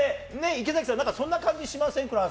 池崎さん、そんな感じしません？